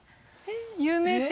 有名店？